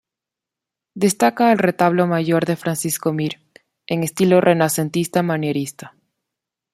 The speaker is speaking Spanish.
Destaca el retablo mayor de Francisco Mir, en estilo renacentista manierista.